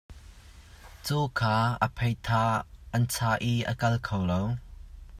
Caw kha a phei tha an chah i a kal kho lo.